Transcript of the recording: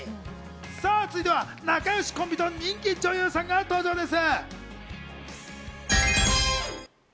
さあ、続いては仲よしコンビと人気女優さんが登場です。